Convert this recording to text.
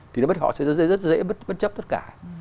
thì họ sẽ rất dễ bất chấp tất cả